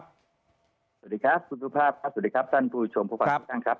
สวัสดีครับคุณสุภาพครับสวัสดีครับท่านผู้ชมผู้ฟังทุกท่านครับ